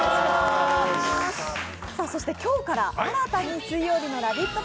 そして今日から新たな水曜日の「ラヴィット！」